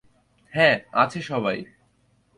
হ্যাঁ, আছে সবাই।